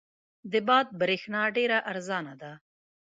د باد برېښنا ډېره ارزانه ده.